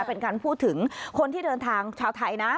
เป็นการพูดถึงคนที่เดินทางชาวไทยนะ